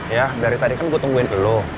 ya dari tadi kan gue tungguin dulu